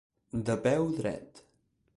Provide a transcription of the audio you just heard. De peu dret.